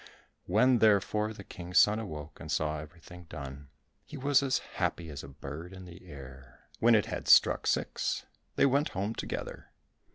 When therefore the King's son awoke and saw everything done, he was as happy as a bird in air. When it had struck six, they went home together.